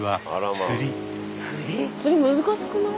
釣り難しくない？